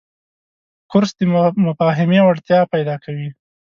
کورس د مفاهمې وړتیا پیدا کوي.